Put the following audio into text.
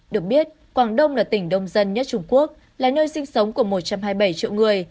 được biết quảng đông là tỉnh đông dân nhất trung quốc là nơi sinh sống của một trăm hai mươi bảy triệu người